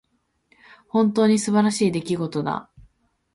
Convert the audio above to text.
本当に素晴らしい出来事だ。